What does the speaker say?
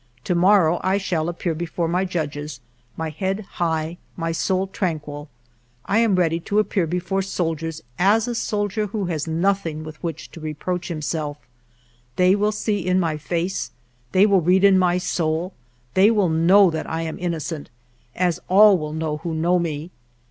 To morrow I shall appear before my judges, my head high, my soul tranquil. I am ready to ap pear before soldiers as a soldier who has nothing with which to reproach himself They will see in my face, they will read in my soul, they will 20 FIVE YEARS OF MY LIFE know that I am innocent, as all will know who know me.